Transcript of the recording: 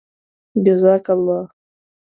جزاك اللهُ